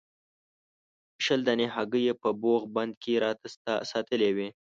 شل دانې هګۍ یې په بوغ بند کې راته ساتلې وې.